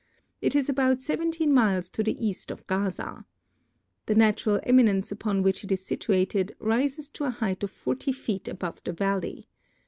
It is about seventeen miles to the east of Gaza. The natural eminence upon which it is situated rises to a height of forty feet above the valley.